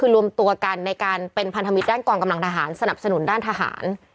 คือรวมตัวกันในการเป็นพันธมิตรด้านกองกำลังทหารสนับสนุนด้านทหาร